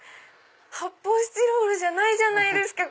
発泡スチロールじゃないじゃないですか！